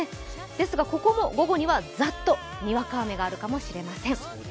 ですがここも午後にはザッとにわか雨があるかもしれません。